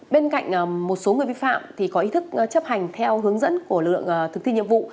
bên cạnh một số người vi phạm thì có ý thức chấp hành theo hướng dẫn của lực lượng thực thi nhiệm vụ